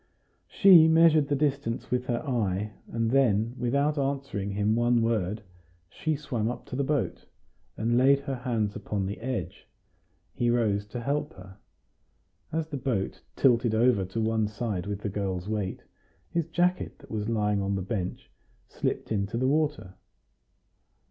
She measured the distance with her eye, and then, without answering him one word, she swam up to the boat, and laid her hands upon the edge; he rose to help her in. As the boat tilted over to one side with the girl's weight, his jacket that was lying on the bench slipped into the water.